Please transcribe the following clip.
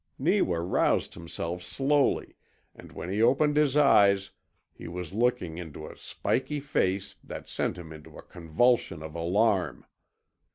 Neewa roused himself slowly, and when he opened his eyes he was looking into a spiky face that sent him into a convulsion of alarm.